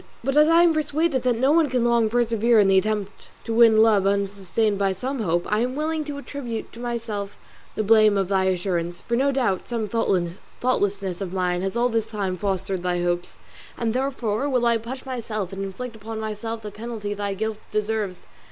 But as I am persuaded that no one can long persevere in the attempt to win love unsustained by some hope, I am willing to attribute to myself the blame of thy assurance, for no doubt some thoughtlessness of mine has all this time fostered thy hopes; and therefore will I punish myself and inflict upon myself the penalty thy guilt deserves.